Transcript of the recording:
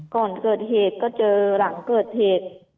ก่อนเกิดเหตุก็เจอหลังเกิดเหตุ